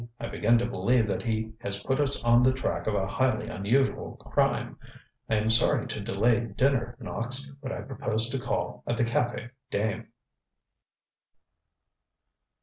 ŌĆ£I begin to believe that he has put us on the track of a highly unusual crime. I am sorry to delay dinner, Knox, but I propose to call at the Cafe Dame.